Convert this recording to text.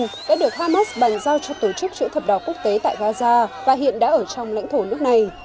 ông đã được hamas bàn giao cho tổ chức chữ thập đỏ quốc tế tại gaza và hiện đã ở trong lãnh thổ nước này